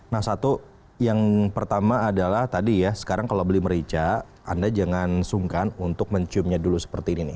nah satu yang pertama adalah tadi ya sekarang kalau beli merica anda jangan sungkan untuk menciumnya dulu seperti ini nih